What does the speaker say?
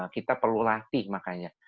kita perlu latih makanya